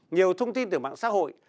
nhiều thông tin từ mạng xã hội